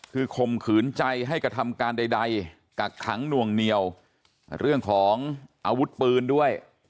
คือข่มขืนใจให้กระทำการใดกักขังหน่วงเหนียวเรื่องของอาวุธปืนด้วย